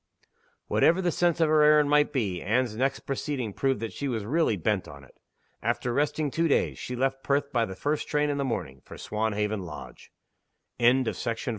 Whatever the sense of her errand might be, Anne's next proceeding proved that she was really bent on it. After resting two days, she left Perth by the first train in the morning, for Swanhaven Lodge. NINTH SCENE.